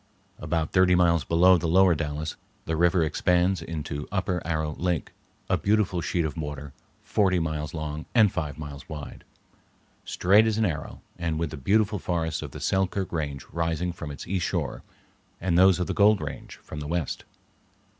About thirty miles below the Lower Dalles the river expands into Upper Arrow Lake, a beautiful sheet of water forty miles long and five miles wide, straight as an arrow and with the beautiful forests of the Selkirk range rising from its east shore, and those of the Gold range from the west.